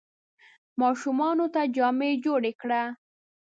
ماشومانو ته جامې جوړي کړه !